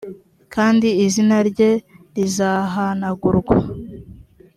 kandi izina rye rizahanagurwa